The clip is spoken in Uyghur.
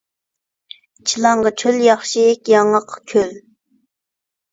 چىلانغا چۆل ياخشى، ياڭاققا كۆل